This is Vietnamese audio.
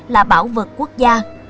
là bảo vật quốc gia